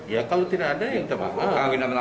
ya kalau tidak ada ya kita bawa